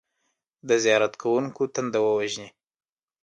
د زیارت کوونکو تنده ووژني.